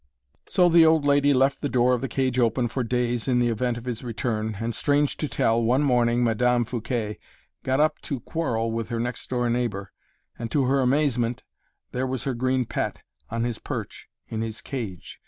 So the old lady left the door of the cage open for days in the event of his return, and strange to tell, one morning Madame Fouquet got up to quarrel with her next door neighbor, and, to her amazement, there was her green pet on his perch in his cage.